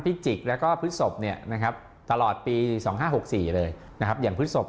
จิกแล้วก็พฤศพตลอดปี๒๕๖๔เลยนะครับอย่างพฤศพ